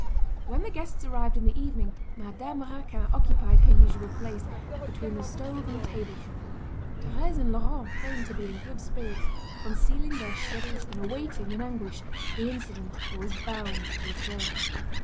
When the guests arrived in the evening, Madame Raquin occupied her usual place, between the stove and table. Thérèse and Laurent feigned to be in good spirits, concealing their shudders and awaiting, in anguish, the incident that was bound to occur.